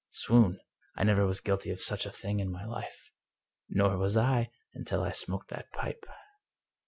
" Swoon! I never was guilty of such a thing in my life." " Nor was I, until I smoked that pipe."